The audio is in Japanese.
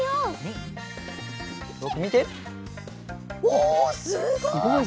おすごい。